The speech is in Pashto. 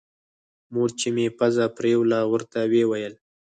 مور چې مې پزه پرېوله ورته ويې ويل.